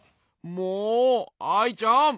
もうアイちゃん！